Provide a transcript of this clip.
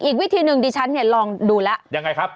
อีกวิธีหนึ่งดิฉันเนี่ยลองดูแล้วยังไงครับ